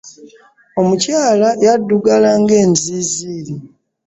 Omukyala yaddugala ng'enziiziiri.